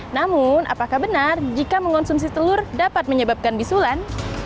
namun apakah benar jika mengonsumsi telur dapat menyebabkan bisulan